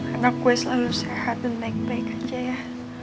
anakku selalu sehat dan baik baik aja ya